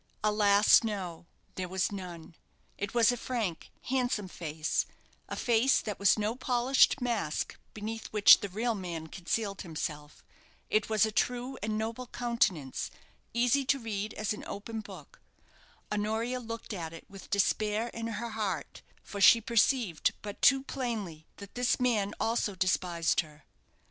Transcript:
Alas, no, there was none. It was a frank, handsome face a face that was no polished mask beneath which the real man concealed himself. It was a true and noble countenance, easy to read as an open book. Honoria looked at it with despair in her heart, for she perceived but too plainly that this man also despised her.